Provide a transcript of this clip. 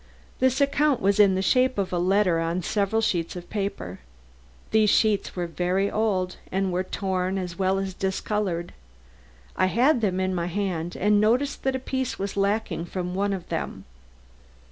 "This account was in the shape of a letter on several sheets of paper. These sheets were very old, and were torn as well as discolored. I had them in my hand and noticed that a piece was lacking from one of them.